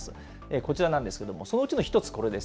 こちらなんですけれども、そのうちの１つ、これです。